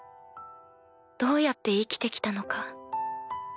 どうやって生きて来たのか。